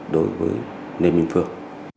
đối với lê minh phương